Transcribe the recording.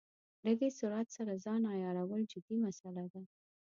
له دې سرعت سره ځان عیارول جدي مساله ده.